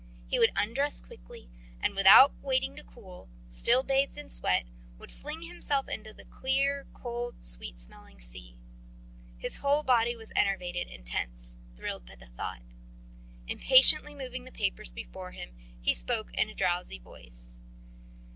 He would undress quickly, and without waiting to cool, still bathed in sweat, would fling himself into the clear, cold, sweet smelling sea. His whole body was enervated and tense, thrilled by the thought. Impatiently moving the papers before him, he spoke in a drowsy voice.